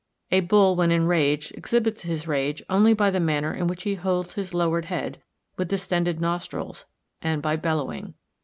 A bull when enraged exhibits his rage only by the manner in which he holds his lowered head, with distended nostrils, and by bellowing.